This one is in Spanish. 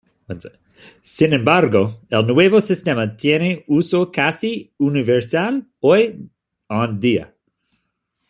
Sin embargo, el nuevo sistema tiene uso casi universal hoy en día.